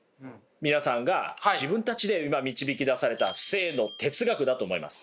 皆さんが自分たちで今導き出された生の哲学だと思います。